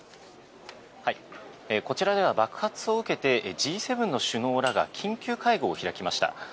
こちらでは爆発を受けてＧ７の首脳らが緊急会合を開きました。